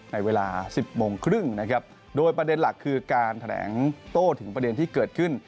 ในเวลาสิบโมงครึ่งนะครับโดยประเด็นหลักคือการแถลงโต้ถึงประเด็นที่เกิดขึ้น